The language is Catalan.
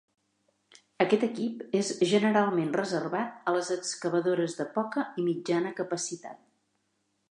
Aquest equip és generalment reservat a les excavadores de poca i mitjana capacitat.